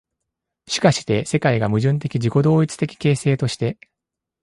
しかして世界が矛盾的自己同一的形成として、